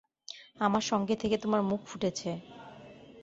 আমার সঙ্গে থেকে তোমার মুখ ফুটেছে।